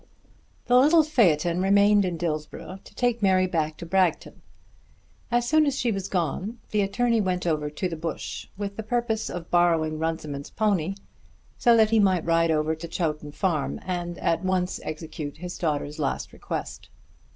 The little phaeton remained in Dillsborough to take Mary back to Bragton. As soon as she was gone the attorney went over to the Bush with the purpose of borrowing Runciman's pony, so that he might ride over to Chowton Farm and at once execute his daughter's last request.